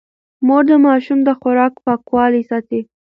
مور د ماشوم د خوراک پاکوالی ساتي.